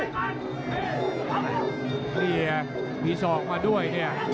นี่ดีซองมาด้วยเนี่ย